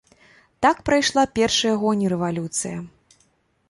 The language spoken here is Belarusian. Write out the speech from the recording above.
Так прайшла першыя гоні рэвалюцыя.